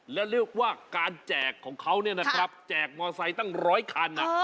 และเรียกว่าการแจกของเค้าเนี่ยนะครับแจกมอเตอร์ไซตั้ง๑๐๐คัน